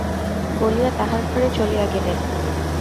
বলিয়া তাঁহার ঘরে চলিয়া গেলেন।